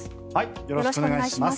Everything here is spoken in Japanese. よろしくお願いします。